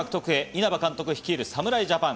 稲葉監督率いる侍ジャパン。